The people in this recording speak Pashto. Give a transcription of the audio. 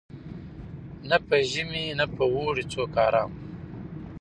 نه په ژمي نه په اوړي څوک آرام وو